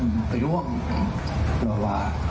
ผมไปร่วมว่า